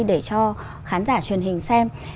để cho khán giả truyền hình xem